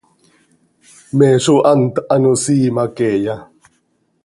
¿Me zó hant ano siima queeya?